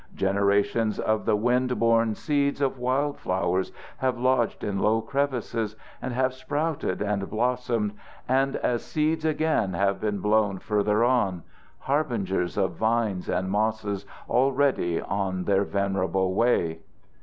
Generations of the wind borne seeds of wild flowers have lodged in low crevices and have sprouted and blossomed, and as seeds again have been blown further on harbingers of vines and mosses already on their venerable way.